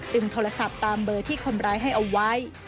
โทรศัพท์ตามเบอร์ที่คนร้ายให้เอาไว้